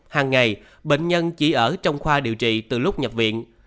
hàng ngày bệnh nhân chỉ ở trong khoa điều trị từ lúc nhập viện